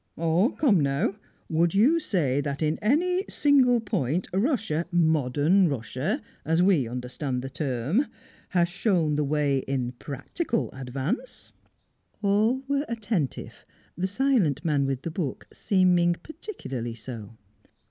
"Come now, would you say that in any single point Russia, modern Russia, as we understand the term, had shown the way in practical advance?" All were attentive the silent man with the book seeming particularly so.